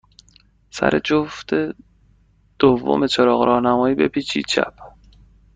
سر جفت دوم چراغ راهنمایی، بپیچید چپ.